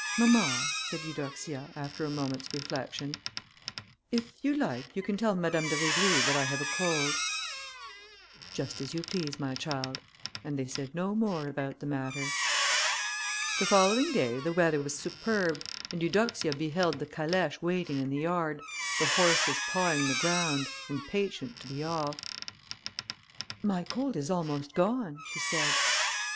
"Mamma," said Eudoxia, after a moment's reflection, "if you like, you can tell Madame de Rivry that I have a cold." "Just as you please, my child," and they said no more about the matter. The following day the weather was superb, and Eudoxia beheld the calèche waiting in the yard, the horses pawing the ground, impatient to be off. "My cold is almost gone," she said.